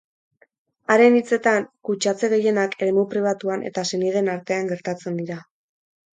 Haren hitzetan, kutsatze gehienak eremu pribatuan eta senideen artean gertatzen dira.